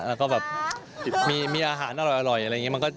แล้วก็แบบมีอาหารอร่อยอะไรอย่างนี้